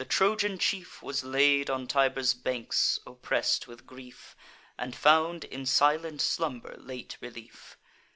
The Trojan chief Was laid on Tiber's banks, oppress'd with grief, And found in silent slumber late relief.